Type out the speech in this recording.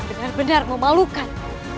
kalian benar benar memalukan